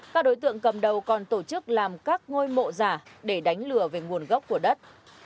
các đối tượng cầm đầu còn tổ chức làm các ngôi mộ giả để đánh lừa về nguồn gốc của đất